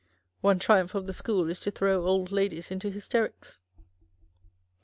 One triumph of the School is to throw Old Ladies into hysterics